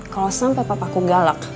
kalau sampai papaku galak